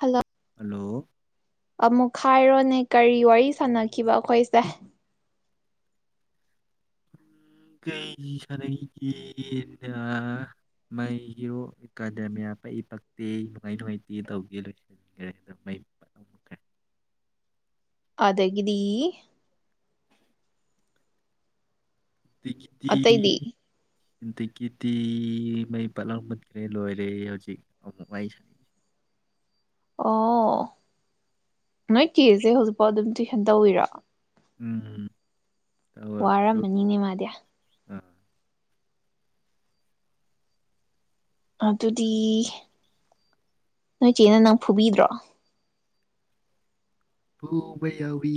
Hello. Hello. ꯑꯃꯨꯛ ꯍꯥꯏꯔꯣꯅꯦ ꯀꯔꯤ ꯋꯥꯔꯤ ꯁꯥꯟꯅꯈꯤꯕ ꯑꯩꯈꯣꯏꯁꯦ꯫ ꯀꯩ ꯁꯥꯟꯅꯩꯒꯦꯅ ꯃꯩꯒꯤꯔꯣ ꯏꯀꯥꯟꯗꯦꯃꯤꯌꯥ ꯄꯛꯏ ꯄꯛꯇꯦ ꯅꯨꯡꯉꯥꯏ ꯅꯨꯡꯉꯥꯏꯇꯦ ꯇꯧꯒꯦ ꯂꯣꯏꯁꯤꯟꯈ꯭ꯔꯦ ꯑꯗꯨꯗ ꯃꯩ ꯄꯠ ꯂꯥꯎꯅ ꯃꯨꯠꯈ꯭ꯔꯦ꯫ ꯑꯗꯒꯗꯤ ꯗꯒꯤꯗꯤ ꯑꯇꯩꯗꯤ ꯑꯗꯥꯒꯤꯏꯟꯇꯤꯀꯤ꯭ꯇꯤ ꯃꯩ ꯄꯥꯠꯂꯝ ꯃꯨꯠꯈ꯭ꯔꯦ ꯂꯣꯏꯔꯦ ꯍꯧꯖꯤꯛ ꯑꯃꯨꯛ ꯋꯥꯔꯤ ꯁꯥꯟꯅꯩꯁꯤ꯫ ꯑꯣ ꯅꯣꯏ ꯀꯦꯁꯦ ꯍꯧꯖꯤꯛꯐꯥꯎ ꯑꯗꯨꯝ ꯇꯨꯏꯁꯟ ꯇꯧꯋꯤꯔꫭ꯫ ꯎꯝ ꯇꯧꯔ ꯂꯣꯏ ꯋꯥꯔꯃꯅꯤꯅꯦ ꯃꯥꯗ ꯑꯥ [unintelligible] ꯑꯗꯨꯗꯤ ꯅꯣꯏ ꯆꯦꯅ ꯅꯪ ꯐꯨꯕꯤꯗ꯭ꯔꯣ ꯐꯨꯕꯥ ꯌꯥꯎꯏ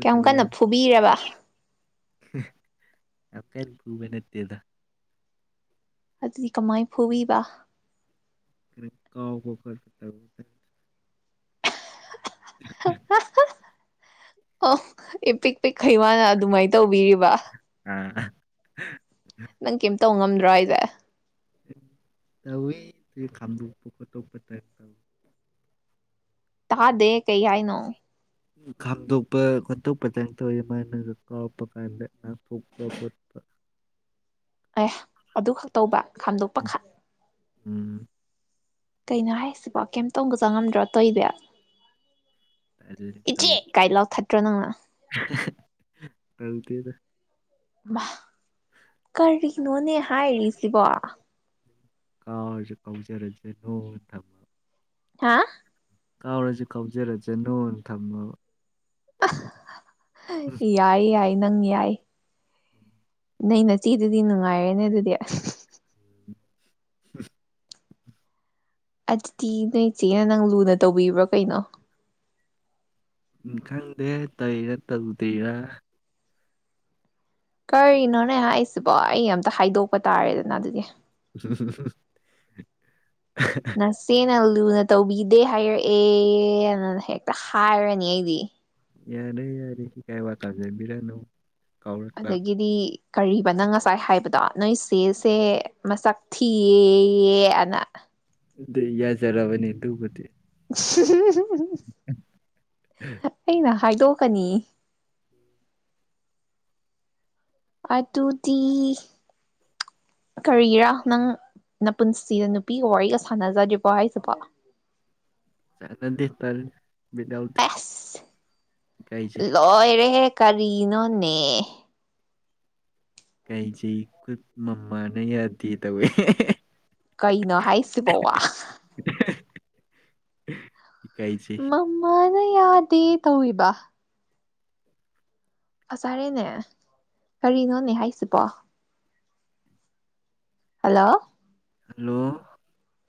ꯀꯌꯥꯝ ꯀꯟꯅ ꯐꯨꯕꯤꯔꯕ [unintelligible] ꯌꯥꯝ ꯀꯟ ꯐꯨꯕꯥ ꯅꯠꯇꯦꯗ ꯑꯗꯨꯗꯤ ꯀꯃꯥꯏꯅ ꯐꯨꯕꯤꯕ ꯀꯩꯅ ꯀꯥꯎ ꯀꯣ ꯇ ꯑꯣ ꯏ ꯄꯤꯛ ꯄꯤꯛꯈꯩ ꯃꯥꯅ ꯑꯗꯨꯃꯥꯏꯅ ꯇꯧꯕꯤꯔꯤꯕ ꯑ ꯅꯪ ꯀꯝ ꯇꯧ ꯉꯝꯗ꯭ꯔꯣ ꯑꯩꯁꯦ ꯇꯎꯋꯏ ꯈꯥꯝꯗꯣꯛꯄ ꯈꯣꯠꯇꯣꯛꯄ ꯇ ꯇ ꯇꯥꯗꯦ ꯀꯩ ꯍꯥꯏꯏ ꯅꯣ ꯈꯥꯝꯗꯣꯛꯄ ꯈꯣꯠꯇꯣꯛꯄꯗ ꯇꯧꯋꯤ ꯃꯥꯅꯒ ꯀꯥꯎꯔꯛꯄ ꯀꯥꯟꯗ ꯉꯥꯛꯊꯣꯛꯄ ꯈꯣꯠꯄ ꯑꯦ ꯑꯗꯨ ꯈꯛꯇꯧꯕ ꯈꯥꯝꯗꯣꯛꯄ ꯈꯛ ꯎꯝ ꯀꯩꯅꯣ ꯍꯥꯏꯁꯤꯕꯣ ꯀꯩꯝꯇꯣꯡꯒ ꯆꯪꯉꯝꯗ꯭ꯔꯣ ꯇꯧ ꯏꯕ ꯑꯗꯨꯗꯤ ꯏꯆꯦ ꯇꯧ ꯀꯥ ꯂꯥꯎ ꯊꯠꯇ꯭ꯔꯣ ꯅꯉꯅ ꯇꯧꯗꯦꯗꯥ ꯃꯍ ꯀꯔꯤ ꯅꯣꯅꯦ ꯍꯥꯏꯔꯤꯁꯤꯕ ꯀꯥꯁꯨ ꯀꯥꯎꯖꯔꯁꯦ ꯅꯣꯡ ꯊꯝꯕ ꯍꯥ ꯀꯥꯎꯔꯁꯤ ꯀꯥꯎꯖꯔꯁꯦ ꯅꯣꯅ ꯊꯝꯃꯕ [unintelligible] ꯌꯥꯏ ꯌꯥꯏ ꯅꯪ ꯌꯥꯏ ꯅꯪ ꯅꯠꯇꯦ ꯑꯗꯨꯗꯤ ꯅꯨꯡꯉꯥꯏꯔꯦꯅꯦ ꯑꯗꯨꯗꯤ ꯑꯁ ꯎ ꯑꯗꯨꯗꯤ ꯅꯣꯏ ꯏꯆꯦꯅ ꯅꯪ ꯂꯨꯅ ꯇꯧꯕꯤꯕ꯭ꯔꯣ ꯀꯩꯅꯣ ꯎ ꯈꯪꯗꯦ ꯇꯧꯔꯥ ꯇꯧꯗꯦꯔꯥ ꯀꯔꯤꯅꯣꯅꯦ ꯑꯩꯁꯤꯕꯣ ꯑꯩ ꯑꯝꯇ ꯍꯥꯏꯗꯣꯛꯄ ꯇꯥꯔꯦꯗꯅ ꯑꯗꯨꯗꯤ ꯎ ꯅꯁꯅꯜ ꯑꯗꯨꯅ ꯇꯧꯕꯤꯗꯦ ꯍꯥꯏꯔꯛꯑꯦꯅ ꯍꯦꯛꯇ ꯍꯥꯏꯔꯅꯤ ꯑꯩꯗꯤ ꯌꯥ ꯅ ꯌꯥꯔꯦꯁꯤ ꯀꯥꯏ ꯋꯥꯥꯛꯑꯖꯦ ꯕꯤꯔꯅ ꯑꯗꯒꯤꯗꯤ ꯀꯔꯤꯕ ꯅꯪ ꯉꯁꯥꯏ ꯍꯥꯏꯕꯗꯣ ꯅꯣꯏ ꯆꯦꯁꯦ ꯃꯁꯛ ꯊꯤꯌꯦ ꯑꯅ ꯑꯗꯨ ꯌꯥꯖꯔꯕꯅꯤ ꯑꯗꯨꯕꯨꯗꯤ [unintelligible] ꯑꯩꯅ ꯍꯥꯏꯗꯣꯛꯀꯅꯤ ꯑꯗꯨꯗꯤ ꯀꯔꯤꯔ ꯅꯪ ꯅꯄꯨꯟꯁꯤꯗ ꯅꯨꯄꯤꯒ ꯋꯥꯔꯤꯒ ꯁꯥꯟꯅꯖꯗ꯭ꯔꯤꯕꯣ ꯍꯥꯏꯁꯤꯕꯣ [unintelligible] ꯕꯤꯠ ꯌꯥꯎꯗꯦ ꯏꯀꯥꯏꯖꯩ ꯂꯣꯏꯔꯦ ꯍꯦ ꯀꯔꯤꯅꯣꯅꯦ ꯏꯀꯥꯏꯖꯩ ꯈꯨꯏ ꯃꯃꯥꯅ ꯌꯥꯗꯦ ꯇꯧꯋꯦ ꯀꯩꯩꯅꯣ ꯍꯥꯏꯁꯤꯕꯣ ꯋꯥ [unintelligible] ꯃꯃꯥꯅ ꯌꯥ ꯇꯧꯋꯤꯕ [unintelligible] ꯀꯔꯤꯅꯣꯅꯦ ꯍꯥꯏꯁꯤꯕꯣ ꯍꯜꯂꯣ ꯍꯜꯂꯣ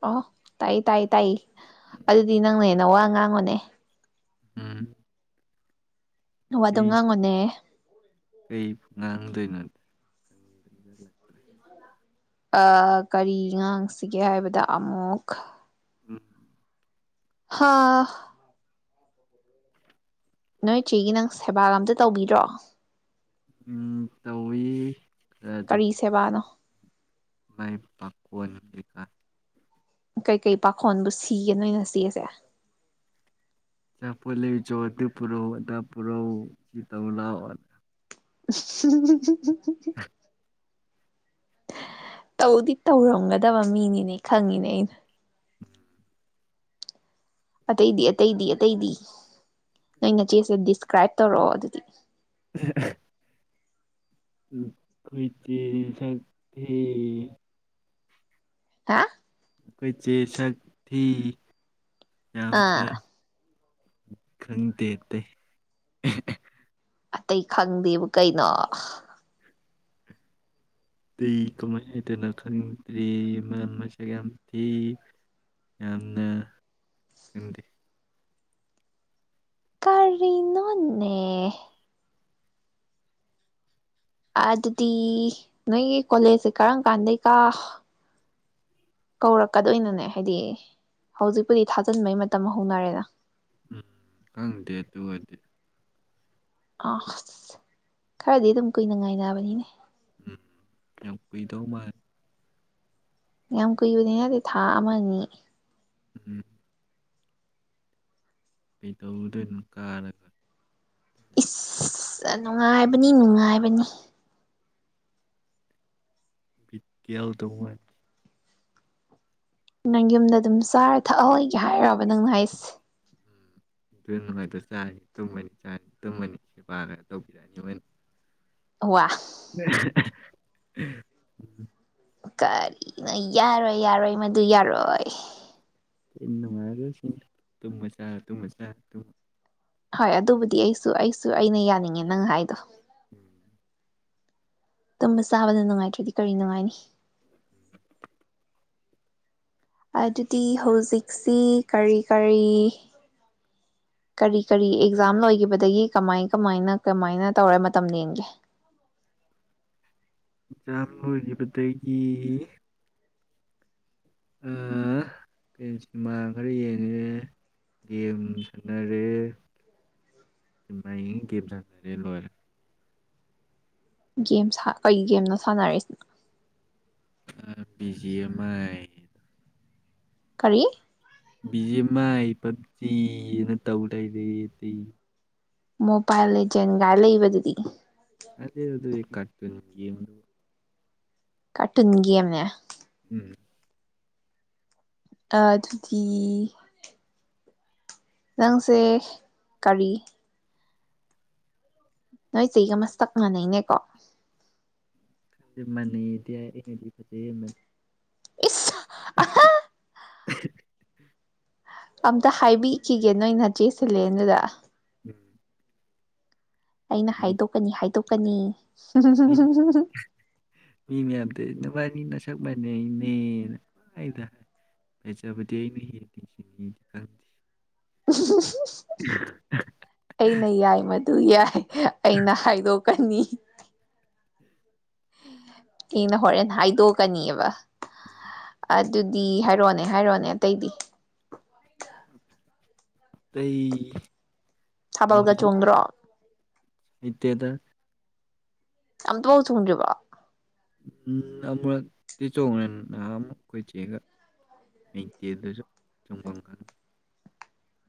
ꯑꯣ ꯇꯥꯏ ꯇꯥꯏ ꯇꯥꯏ ꯑꯗꯨꯗꯤ ꯅꯪꯅ ꯍꯦꯟꯅ ꯋꯥ ꯉꯥꯡꯉꯨꯅꯦ ꯎꯝ ꯋꯥꯗꯣ ꯀꯩ ꯉꯥꯡꯉꯣꯅꯦ ꯀꯩ ꯉꯥꯡꯗꯣꯏꯅꯣ ꯑꯥ ꯀꯔꯤ ꯉꯥꯡꯁꯤꯒꯦ ꯍꯥꯏꯕꯗ ꯑꯃꯨꯛ [unintelligible] ꯍꯥꯥ ꯅꯣꯏ ꯆꯦꯒꯤ ꯅꯪ ꯁꯦꯕꯥꯒ ꯑꯝꯇ ꯇꯧꯕꯤ꯭ꯔꯣ ꯎꯝ ꯇꯧꯋꯤ ꯀꯔꯤ [unintelligible] ꯁꯦꯕꯥꯅꯣ ꯃꯥꯏ ꯄꯥꯈꯣꯟ ꯀꯩꯀ ꯀꯩꯀꯩ ꯄꯥꯈꯣꯟꯕꯨ ꯁꯤꯒꯦ ꯅꯣꯏ ꯅꯆꯦꯁꯦ ꯑꯆꯥꯄꯣꯠ ꯂꯩꯔꯨꯆꯣ ꯑꯗꯨ ꯄꯨꯔꯛꯎ ꯑꯗ ꯄꯨꯔꯛ ꯎ ꯑꯗꯨ ꯇꯧꯔꯨꯂꯥꯎ [unintelligible] [unintelligible] ꯇꯧꯗꯤ ꯇꯧꯔꯝꯒꯗꯕ ꯃꯤꯅꯤꯅꯦ ꯈꯪꯉꯤꯅꯦ ꯑꯩꯅ ꯑꯇꯩꯗꯤ ꯑꯇꯩꯗꯤ ꯑꯇꯩꯗꯤ ꯅꯣꯏ ꯅꯆꯦꯁꯦ ꯗꯤꯁꯀ꯭ꯔꯥꯏꯞ ꯇꯧꯔꯛꯑꯣ ꯑꯗꯨꯗꯤ [unintelligible] [unintelligible] [unintelligible] ꯍꯥ ꯑꯩꯈꯣꯏ ꯆꯦ ꯁꯛꯊꯤ ꯑꯥ ꯈꯪꯗꯦ ꯑꯇꯩ [unintelligible] ꯑꯇꯩ ꯈꯪꯗꯦꯕꯨ ꯀꯩꯅꯣ ꯀꯃꯥꯏ ꯍꯥꯏꯗꯣꯅꯣ ꯈꯪꯗ꯭ꯔꯤ ꯃꯥ ꯃꯁꯛ ꯌꯥꯝ ꯊꯤ ꯌꯥꯝꯅ ꯈꯪꯗꯦ ꯀꯔꯤꯅꯣꯅꯦ ꯑꯗꯨꯗꯤ ꯅꯣꯏꯒꯤ ꯀꯣꯂꯦꯖꯁꯦ ꯀꯔꯝ ꯀꯥꯟꯗꯩꯀꯥ ꯀꯧꯔꯛꯀꯗꯣꯏꯅꯅꯦ ꯍꯥꯏꯗꯤ ꯍꯧꯖꯤꯛꯄꯨꯗꯤ ꯊꯥꯖꯤꯟꯕꯩ ꯃꯇꯝ ꯍꯧꯅꯔꯦꯅ ꯎꯝ ꯈꯪꯗꯦ ꯑꯗꯨ ꯑꯣꯏꯔꯗꯤ ꯑ ꯑꯁ ꯈꯔꯗꯤ ꯑꯗꯨꯝ ꯀꯨꯏꯅ ꯉꯥꯏꯅꯕꯅꯤꯅꯦ ꯎꯝ ꯌꯥꯝ ꯀꯨꯏꯗꯧ ꯃꯥꯜꯂꯤ ꯌꯥꯝ ꯀꯨꯏꯕꯅꯤ ꯍꯦ ꯊꯥ ꯑꯃꯅꯤ ꯎꯝ ꯀꯩꯗꯧꯗꯣꯏꯅꯣ ꯀꯥꯔꯒ ꯏꯁ ꯅꯨꯡꯉꯥꯏꯕꯅꯤ ꯅꯨꯡꯉꯥꯏꯕꯅꯤ ꯕꯤꯠ ꯌꯥꯎꯗꯧ ꯃꯥꯟ ꯅꯪ ꯌꯨꯝꯗ ꯑꯗꯨꯝ ꯆꯥꯔ ꯊꯛꯑ ꯂꯩꯒꯦ ꯍꯥꯏꯔꯕ ꯅꯪꯅ ꯍꯥꯏꯁꯦ ꯑꯗꯨ ꯅꯉꯥꯏꯗꯣ ꯆꯥꯅꯤ ꯇꯨꯝꯃꯅꯤ ꯆꯥꯅꯤ ꯇꯨꯝꯃꯅꯤ ꯁꯦꯕꯥꯒ ꯇꯧꯕꯤꯔꯛꯑꯅꯤ ꯃꯣꯏꯅꯤ ꯋꯥ [unintelligible] ꯀꯔꯤꯅ ꯌꯥꯔꯣꯏ ꯌꯥꯔꯣꯏ ꯃꯗꯨ ꯌꯥꯔꯣꯏ ꯅꯨꯡꯉꯥꯏꯗꯧꯁꯤ ꯇꯨꯝꯃ ꯆꯥꯔꯥ ꯇꯨꯝꯃ ꯆꯥꯔꯥ ꯍꯣꯏ ꯑꯗꯨꯕꯨꯗꯤ ꯑꯩꯁꯨ ꯑꯩꯁꯨ ꯑꯩꯅ ꯌꯥꯅꯤꯡꯉꯦ ꯅꯪ ꯍꯥꯏꯗꯣ ꯇꯨꯝꯕ ꯆꯥꯕꯗ ꯅꯨꯡꯉꯥꯏꯇ꯭ꯔꯗꯤ ꯀꯔꯤ ꯅꯨꯡꯉꯥꯏꯅꯤ ꯑꯗꯨꯗꯤ ꯍꯧꯖꯤꯛꯁꯤ ꯀꯔꯤ ꯀꯔꯤ ꯀꯔꯤ ꯀꯔꯤ ꯑꯦꯛꯖꯥꯝ ꯂꯣꯏꯒꯤꯕꯗꯒꯤ ꯀꯃꯥꯏ ꯀꯃꯥꯏꯅ ꯀꯃꯥꯏꯅ ꯇꯧꯔ ꯃꯇꯝ ꯂꯦꯟꯒꯦ ꯑꯦꯛꯖꯥꯝ ꯂꯣꯢꯒꯤꯕꯗꯒꯤ ꯑꯥ ꯁꯤꯅꯦꯃꯥ ꯈꯔ ꯌꯦꯡꯉꯦ ꯒꯦꯝ ꯁꯥꯟꯅꯔꯦ ꯁꯤꯅꯦꯃꯥ ꯌꯦꯡꯉꯤ ꯒꯦꯝ ꯁꯥꯟꯅꯔꯦ ꯂꯣꯏꯔꯦ ꯒꯦꯝ ꯁꯥ ꯀꯩ ꯒꯦꯝꯅꯣ ꯁꯥꯟꯅꯔꯤꯁꯤ ꯑ ꯕꯤ ꯖꯤ ꯑꯦꯝ ꯑꯥꯏ ꯀꯔꯤ ꯕꯤ ꯖꯤ ꯑꯦꯝ ꯑꯥꯏ ꯄꯞꯖꯤꯅ ꯇꯧ ꯂꯩꯔꯦ ꯃꯣꯕꯥꯏꯜ ꯂꯤꯖꯦꯟ ꯒꯥꯏ ꯂꯩꯕꯗꯨꯗꯤ ꯑꯗ ꯑꯗꯨꯗꯤ ꯀꯥꯔꯇꯨꯟꯒꯤ ꯒꯦꯝꯅꯤ ꯀꯥꯔꯇꯨꯟ ꯒꯦꯝꯅꯦ ꯎꯝ ꯑ ꯑꯗꯨꯗꯤ ꯅꯪꯁꯦ ꯀꯔꯤ ꯅꯣꯏ ꯆꯦꯒ ꯃꯁꯛ ꯃꯥꯟꯅꯩꯅꯦꯀꯣ ꯃꯥꯅꯩꯌꯦꯗꯤ ꯍꯥꯏ ꯑꯩꯅꯗꯤ ꯐꯖ ꯍꯦꯟꯕꯅꯤ ꯏꯁ [unintelligible] [unintelligible] ꯑꯝꯇ ꯍꯥꯏꯕꯤꯈꯤꯒꯦ ꯅꯣꯏ ꯅꯆꯦ ꯁꯤꯜꯂꯦꯟ ꯗꯨꯗ ꯎꯝ ꯑꯩꯅ ꯃꯤ ꯍꯥꯏꯗꯣꯛꯀꯅꯤ ꯍꯥꯏ ꯇꯣꯛꯀꯅꯤ ꯃꯤ ꯃꯤ ꯃꯌꯥꯝ ꯇꯧꯏꯖꯦ ꯅꯕꯥꯅꯤ ꯅꯁꯛ ꯁꯛ ꯃꯥꯟꯅꯩꯅꯦꯅ ꯍꯥꯏꯗꯔ꯭ ꯐꯖꯕꯗꯤ ꯑꯩꯅ ꯍꯦꯜꯂꯤꯁꯤꯗꯤ ꯈꯪꯗꯦ [unintelligible] ꯑꯩꯅ ꯌꯥꯏ ꯃ ꯑꯗꯨ ꯌꯥꯏ ꯑꯩꯅ ꯍꯥꯏꯗꯣꯛ ꯀꯅꯤ ꯑꯩꯅ ꯍꯣꯔꯦꯟ ꯍꯥꯏꯗꯣꯛꯀꯅꯤꯑꯕ ꯑꯗꯨꯗꯤ ꯍꯥꯏꯔꯣꯅꯦ ꯍꯥꯏꯔꯣꯅꯦ ꯑꯇꯩꯗꯤ ꯀꯩ ꯊꯥꯕꯜꯒ ꯆꯣꯡꯗ꯭ꯔꯣ [unintelligible] ꯏꯇꯦꯗ ꯑꯝꯇꯥꯐꯧ ꯆꯣꯛꯗ꯭ꯔꯤꯕꯣ ꯑꯃꯨꯨꯔꯛꯇꯤ ꯆꯣꯡꯉꯦ ꯅꯍꯥꯟ ꯑꯃꯨꯛ ꯑꯩꯈꯣꯏ ꯆꯦꯒ ꯍꯩꯇꯦ ꯑꯗꯨꯁꯨ ꯆꯨꯝꯐꯝ ꯈꯪꯗꯦ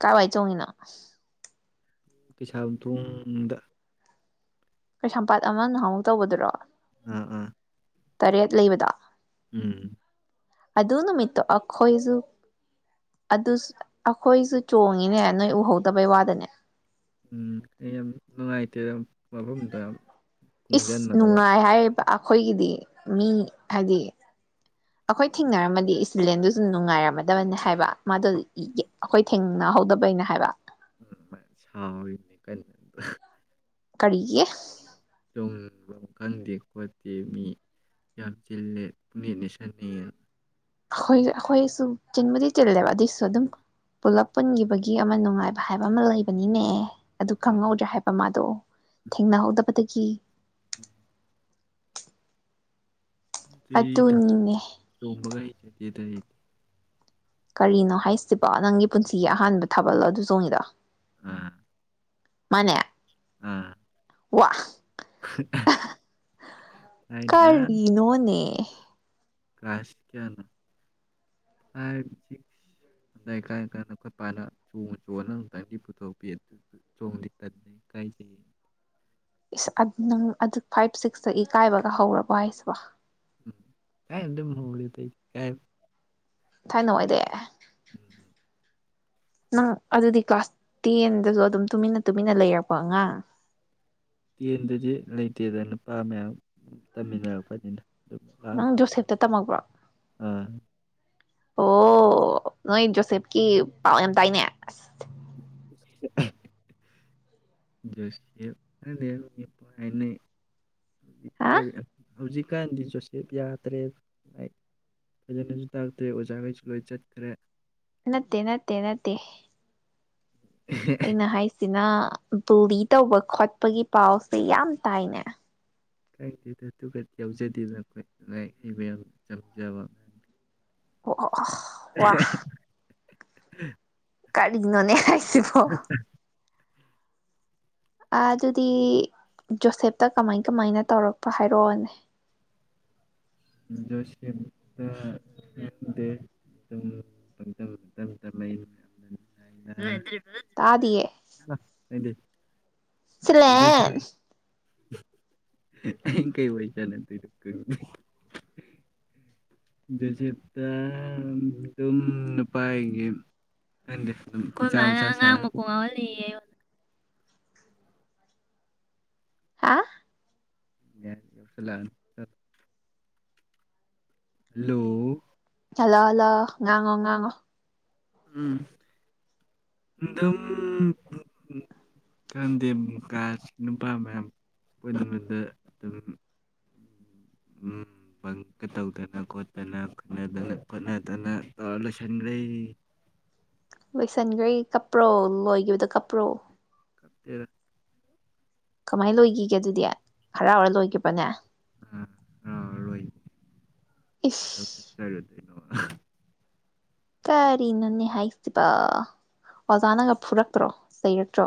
ꯀꯋꯥꯏ ꯆꯣꯡꯉꯤꯅꯣ ꯀꯩꯁꯥꯝꯊꯣꯡꯗ ꯀꯩꯁꯥꯝꯄꯥꯠ ꯑꯃ ꯅꯍꯥꯟꯃꯨꯛ ꯇꯧꯕꯗꯨꯔꯣ ꯎꯝ ꯎꯝ ꯇꯔꯦꯠ ꯂꯩꯕꯗꯣ ꯎꯝ ꯑꯗꯨ ꯅꯨꯃꯤꯠꯇꯣ ꯑꯩꯈꯣꯏꯁꯨ ꯑꯗꯨ ꯑꯩꯈꯣꯏꯁꯨ ꯆꯣꯡꯉꯤꯅꯦ ꯅꯣꯏ ꯎꯍꯧꯗꯕꯩ ꯋꯥꯗꯅꯦ ꯎꯝ ꯑꯩ ꯌꯥꯝ ꯅꯨꯡꯉꯥꯏꯇꯦ ꯌꯥꯝ ꯃꯐꯝꯗꯨ ꯌꯥꯝ ꯏꯁ ꯀꯨꯡꯖꯟꯅꯔꯒ ꯅꯨꯡꯉꯥꯏ ꯍꯥꯏꯔꯤꯕ ꯑꯩꯈꯣꯏꯒꯤꯗꯤ ꯃꯤ ꯍꯥꯏꯗꯤ ꯑꯩꯈꯣꯏ ꯊꯦꯡꯅꯔꯝꯃꯗꯤ ꯏꯁꯇꯤꯗꯦꯟꯗꯨꯁꯨ ꯅꯨꯡꯉꯥꯏꯔꯝꯃꯗꯕꯅꯤ ꯍꯥꯏꯕ ꯃꯥꯗꯣ ꯑꯩꯈꯣꯏ ꯊꯦꯡꯅꯍꯧꯗꯕꯅ ꯍꯥꯏꯕ ꯁꯩꯔꯤ [unintelligible] ꯀꯔꯤ ꯇꯣꯡꯅꯤꯡꯕ ꯈꯪꯗꯦ ꯈꯣꯠꯇꯦ ꯃꯤ ꯌꯥꯝ ꯆꯤꯜꯂꯦ ꯄꯨꯛꯅꯤꯡꯅꯤꯁꯟꯅꯩꯌꯦ ꯑꯩꯈꯣꯏ ꯑꯩꯈꯣꯏꯁꯨ ꯆꯤꯟꯕꯨꯗꯤ ꯆꯤꯜꯂꯦꯕ ꯑꯗꯨꯏꯁꯨ ꯑꯗꯨꯝ ꯄꯨꯂꯞ ꯄꯨꯟꯈꯤꯕꯒꯤ ꯑꯃ ꯅꯨꯡꯉꯥꯏꯕ ꯍꯥꯏꯕ ꯑꯃ ꯂꯩꯕꯅꯤꯅꯦ ꯑꯗꯨ ꯑꯥ ꯈꯪꯍꯧꯗ꯭ꯔꯦ ꯍꯥꯏꯕ ꯃꯥꯗꯣ ꯎꯝ ꯊꯦꯡꯅꯍꯧꯗꯕꯗꯒꯤ ꯏ [unintelligible] [inaudible] ꯑꯗꯨꯨꯅꯤꯅꯦ ꯗꯗꯤ [unintelligible] ꯀꯔꯤꯅꯣ ꯍꯥꯏꯁꯤꯕꯣ ꯅꯪꯒꯤ ꯄꯨꯟꯁꯤꯒꯤ ꯑꯍꯥꯟꯕ ꯊꯥꯕꯜꯂꯣ ꯑꯗꯨ ꯆꯣꯡꯉꯤꯗꯣ ꯃꯥꯅꯦ ꯎꯝ ꯋꯥ ꯊꯥꯏꯅ ꯀꯔꯤꯅꯣꯅꯦ ꯀ꯭ꯂꯥꯁ ꯀꯌꯥꯅꯣ ꯐꯥꯏꯚ ꯁꯤꯛꯁ ꯑꯗꯥꯏ ꯀꯥꯏꯔꯀꯥꯟꯗ ꯑꯩꯈꯣꯏ ꯏꯄꯥꯅ ꯆꯣꯡꯉ ꯆꯣꯡꯉꯒ ꯑꯃꯨꯛꯇꯪꯗꯤ ꯄꯨꯊꯣꯛꯄꯤ ꯑꯗꯨ ꯆꯣꯡꯗꯤ ꯀꯟꯗꯦ ꯀꯥꯏꯖꯩ ꯏꯁ ꯑ ꯅꯪ ꯑꯗꯨ ꯐꯥꯏꯚ ꯁꯤꯛꯁꯇ ꯏꯀꯥꯏꯕꯒ ꯍꯧꯔꯕ ꯍꯥꯏꯁꯤꯕ [unintelligible] ꯊꯥꯏꯅꯋꯥꯏꯗꯩ ꯎꯝ ꯅꯪ ꯑꯗꯨꯗꯤ ꯀ꯭ꯂꯥꯁ ꯇꯦꯟꯗꯁꯨ ꯑꯗꯨꯝ ꯇꯨꯃꯤꯟꯅ ꯇꯨꯃꯤꯟꯅ ꯂꯩꯔꯛꯄ ꯑꯉꯥꯡ ꯇꯦꯟꯗꯗꯤ ꯂꯩꯇꯦꯗ ꯅꯨꯄꯥ ꯃꯌꯥꯝ ꯇꯝꯃꯤꯟꯅꯔꯛꯄꯅꯤꯅ ꯑꯗꯨꯝ ꯂꯥꯡ ꯅꯪ ꯈꯣꯠꯇꯅ ꯖꯣꯁꯦꯄꯇ ꯇꯝꯃꯛꯄ꯭ꯔꯣ ꯑꯥ ꯑꯣ ꯅꯣꯏ ꯖꯣꯁꯦꯞꯀꯤ ꯄꯥꯎ ꯌꯥꯝ ꯇꯥꯏꯅꯦ ꯑꯁ [unintelligible] ꯍꯥꯏꯩꯅ ꯏ ꯍꯥ ꯀꯔꯤ ꯍꯧꯖꯤꯛꯀꯥꯟꯗꯤ ꯖꯣꯁꯦꯞ ꯌꯥꯗ꯭ꯔꯦ ꯂꯥꯏ ꯐꯖꯅꯁꯨ ꯇꯥꯛꯇꯦ ꯑꯣꯖꯥꯈꯩꯁꯨ ꯂꯣꯏꯅ ꯆꯠꯈ꯭ꯔꯦ ꯅꯠꯇꯦ ꯅꯠꯇꯦ ꯅꯠꯇꯦ ꯑꯩꯅ ꯍꯥꯏꯁꯤꯅ ꯗꯣꯕꯤ ꯇꯧꯕ ꯈꯣꯠꯄꯒꯤ ꯄꯥꯎꯁꯦ ꯌꯥꯝ ꯇꯥꯏꯅꯦ ꯈꯪꯗꯦꯗ ꯑꯗꯨꯒꯗꯤ ꯌꯥꯎꯖꯗꯦꯕ ꯑꯩꯈꯣꯏ [unintelligible] ꯑꯣ ꯑꯣ ꯋꯥ [inaudible] [inaudible] ꯀꯔꯤꯅꯣꯅꯦ ꯍꯥꯏ ꯁꯤꯕꯣ ꯑꯗꯨꯗꯤ ꯖꯣꯁꯦꯞꯇ ꯀꯃꯥꯏ ꯀꯃꯥꯏꯅ ꯇꯧꯔꯛꯄ ꯍꯥꯏꯔꯛꯑꯣꯅꯦ ꯖꯣꯁꯦꯞꯇ ꯈꯪꯗꯦ ꯑꯗꯨꯝ ꯇꯥꯗꯤꯌꯦ [unintelligible] [unintelligible] ꯖꯣꯁꯦꯞ [unintelligible] ꯑꯩ ꯀꯩ ꯑꯣꯏꯗꯅꯥ ꯖꯣꯁꯦꯞꯇ ꯑꯗꯨꯝ ꯅꯨꯄꯥꯒꯤ ꯈꯡꯗꯦ ꯍꯥ [unintelligible] [unintelligible] ꯍꯥꯂꯣ ꯍꯂꯣ ꯉꯥꯡꯉꯣ ꯉꯥꯉꯣ ꯎꯝ ꯑꯗꯨꯝ ꯈꯟꯗꯦ ꯀꯥ ꯅꯨꯄꯥ ꯃꯌꯥꯝ [unintelligible] ꯑꯗꯨꯝ [unintelligible] ꯇꯧꯗꯅ ꯈꯣꯠꯇꯅ ꯈꯠꯅꯗꯅ ꯈꯣꯠꯅꯗꯅ ꯇꯧꯔꯥ ꯂꯣꯏꯁꯟꯈ꯭ꯔꯦ ꯂꯣꯏꯁꯤꯟꯈ꯭ꯔꯦ ꯀꯞꯄ꯭ꯔꯣ ꯂꯣꯏꯈꯤꯕꯗ ꯀꯄ꯭ꯔꯣ ꯀꯞꯇꯦꯗꯥ ꯀꯃꯥꯏꯅ ꯂꯣꯏꯈꯤꯒꯦ ꯑꯗꯨꯗꯤ ꯍꯔꯥꯎ ꯍꯔ ꯂꯣꯏꯈꯤꯕꯔꯥꯅꯦ ꯍꯔꯥꯎꯔꯔꯣꯏ ꯏꯁ [unintelligible] [inaudible] ꯀꯔꯤ ꯅꯣꯅꯦ ꯍꯥꯏꯁꯤꯕꯣ ꯑꯣꯖꯥꯅꯒ ꯐꯨꯔꯛꯇ꯭ꯔꯣ ꯆꯩꯔꯛꯇ꯭ꯔꯣ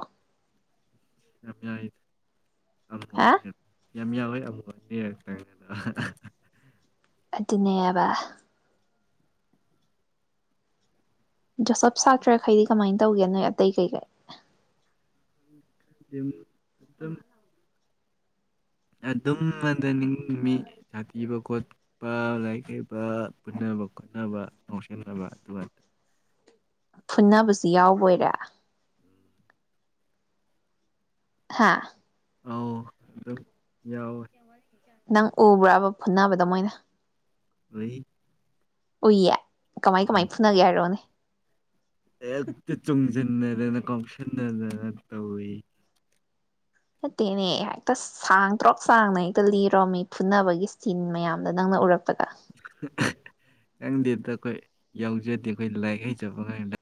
ꯌꯥꯝ ꯌꯥꯏꯗ ꯍꯥ ꯌꯥꯝ ꯌꯥꯎꯌꯦ ꯑꯃꯨꯛ ꯑꯅꯤꯔꯛꯇꯪ ꯑꯗꯨꯅꯦꯕ ꯖꯣꯁꯞ ꯁꯥꯇ꯭ꯔꯈꯩꯗꯤ ꯀꯃꯥꯏꯅ ꯇꯧꯒꯦ ꯅꯣꯏ ꯑꯇꯩ ꯀꯩꯀꯩ [unintelligible] ꯑꯗꯨꯝ [unintelligible] ꯁꯥꯥꯊꯤꯕ ꯈꯣꯠꯄ ꯂꯥꯏꯔꯤꯛ ꯍꯩꯕ ꯐꯨꯅꯕꯥ ꯈꯣꯠꯅꯕ ꯉꯥꯎꯁꯤꯟꯅꯕ ꯑꯗꯨ ꯐꯨꯟꯅꯕꯖꯨ ꯌꯥꯎꯕꯣꯏꯔꯦ ꯍꯥꯥ ꯑꯥꯎ ꯑꯗꯨꯝ ꯌꯥꯎꯋꯦ ꯅꯪ ꯎꯕ꯭ꯔꯥꯕ ꯐꯨꯅꯥꯕꯗꯣ ꯃꯣꯏꯅ [inaudible] ꯎꯏꯌꯦ ꯀꯃꯥꯏ ꯀꯃꯥꯏ ꯐꯨꯅꯒꯦ ꯍꯥꯏꯔꯛꯑꯣꯅꯦ ꯍꯦꯛꯠꯇ ꯆꯣꯡꯁꯤꯟꯅꯗꯅ ꯀꯥꯎꯁꯤꯟꯅꯗꯅ ꯇꯧꯏ ꯅꯠꯇꯦꯅꯦ ꯍꯦꯛꯇ ꯁꯥꯡꯇꯇꯔꯣꯛ ꯁꯥꯡꯅ ꯍꯦꯛꯇ ꯂꯤꯔꯣꯝꯃꯤ ꯐꯨꯅꯕꯒꯤ ꯁꯤꯟ ꯃꯌꯥꯝꯗꯣ ꯅꯪꯅ ꯎꯔꯛ ꯐꯔ꯭ꯨꯠ ꯆꯪꯗꯦꯗ ꯑꯩꯈꯣꯏ ꯌꯥꯎꯖꯗꯦ ꯑꯩꯈꯣꯏ ꯂꯥꯏꯔꯤꯛ ꯍꯩꯖꯕ ꯑꯉꯥꯡ ꯅꯠ